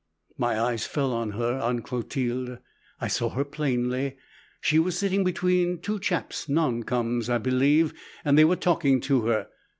My eyes fell on her, on Clotilde. I saw her plainly. She was sitting between two chaps, non coms., I believe, and they were talking to her.